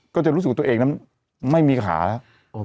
ก็จะรู้สึกว่าตัวเองนั้นไม่มีขาแล้ว